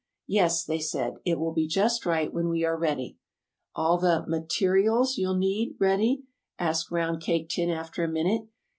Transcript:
"Yes," they said, "it will be just right when we are ready." "All the ma ter i als you'll need ready?" asked Round Cake Tin after a minute.